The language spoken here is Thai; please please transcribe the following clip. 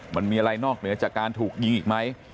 มันมีอะไรนอกเหนือจากการถูกยิงอีกไหม